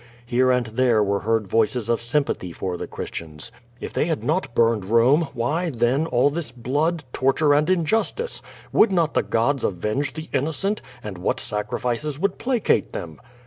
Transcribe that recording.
Here and there were heard voices of sympathy for the Christians. "If they had not burned Rome, why, then, all this blood, tor ture, and injustice? Would not the gods avenge the inno cent, and what sacrifices would placate them?"